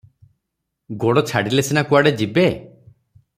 ଗୋଡ଼ ଛାଡ଼ିଲେ ସିନା କୁଆଡ଼େ ଯିବେ?